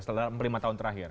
setelah lima tahun terakhir